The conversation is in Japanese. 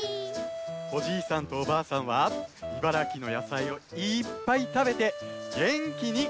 おじいさんとおばあさんは茨城のやさいをいっぱいたべてげんきにくらしましたとさ！